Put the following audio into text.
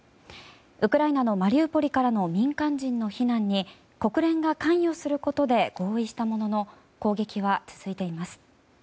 ウクライナのマリウポリからの民間人の避難に国連が関与することで合意したものの攻撃は続いています。